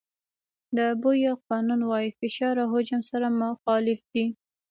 د بویل قانون وایي فشار او حجم سره مخالف دي.